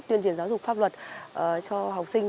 tuyên truyền giáo dục pháp luật cho học sinh